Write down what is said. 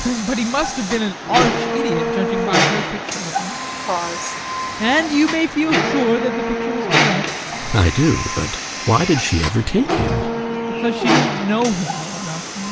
But he must have been an arch idiot, judging by her picture of him. And you may feel sure that the picture was correct. GUSTAV. I do! But why did she ever take him? ADOLPH. Because she didn't know him well enough.